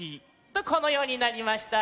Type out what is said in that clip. とこのようになりました。